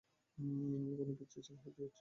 কোনো পিচ্চি ছেলে হয়তো ইট ছুড়ে মেরেছে।